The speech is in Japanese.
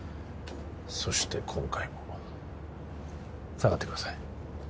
そして今回も下がってください